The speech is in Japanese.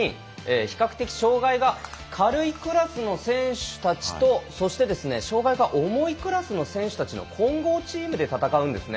比較的障がいが軽いクラスの選手たちとそして、障がいが重いクラスの選手たちの混合チームで戦うんですね。